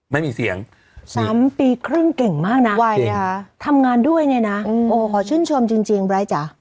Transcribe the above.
ไม่มีเสียง๓ปีครึ่งเก่งมากนะวัยนะคะทำงานด้วยเนี่ยนะโอ้ขอชื่นชมจริงไบร์ทจ้ะ